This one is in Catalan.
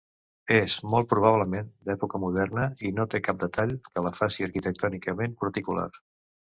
És, molt probablement, d'època moderna, i no té cap detall que la faci arquitectònicament particular.